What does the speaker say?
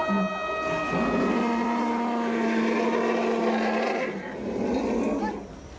โปรดติดตามโปรดติดตามภาพทุกชายจงสริงกลางหลังวันภาษาหลุมให้โปรดแกรมภาษาไทยไทยต่อไป